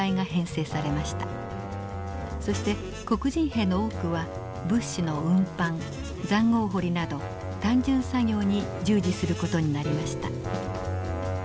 そして黒人兵の多くは物資の運搬塹壕掘りなど単純作業に従事する事になりました。